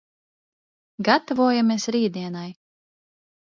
Gatavojamies rītdienai!